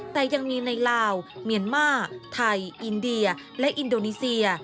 แต่ยังมีในลาวเมียนมาร์ไทยอินเดียและอินโดนีเซีย